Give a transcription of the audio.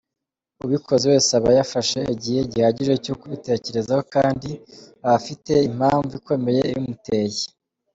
Ubikoze wese aba yafashe igihe gihagije cyo kubitekerezaho kandi aba afite impamvu ikomeye ibimuteye.